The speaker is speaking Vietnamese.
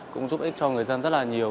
cũng giúp ích cho người dân rất là nhiều